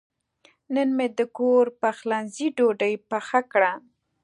نن مې د کور پخلنځي ډوډۍ پخه کړه.